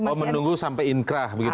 oh menunggu sampai inkrah begitu